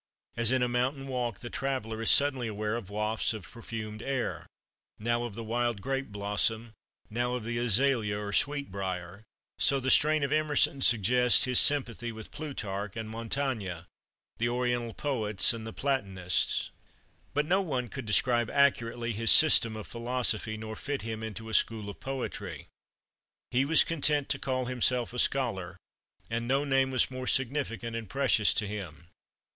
As in a mountain walk the traveller is suddenly aware of wafts of perfumed air, now of the wild grape blossom, now of the azalea or sweet brier, so the strain of Emerson suggests his sympathy with Plutarch and Montaigne, the Oriental poets and the Platonists. But no one could describe accurately his "system" of philosophy, nor fit him into a "school" of poetry. He was content to call himself a scholar, and no name was more significant and precious to him.